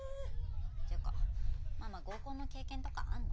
ていうかママ合コンの経験とかあんの？